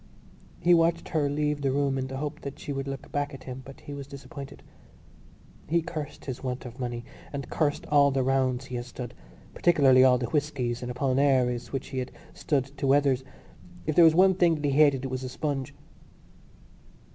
He watched her leave the room in the hope that she would look back at him, but he was disappointed. He cursed his want of money and cursed all the rounds he had stood, particularly all the whiskies and Apollinaris which he had stood to Weathers. If there was one thing that he hated it was a sponge.